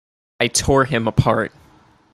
I tore him apart!